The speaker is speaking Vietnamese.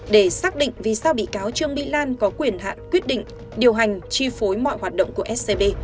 để xác định vì sao bị cáo trương mỹ lan có quyền hạn quyết định điều hành chi phối mọi hoạt động của scb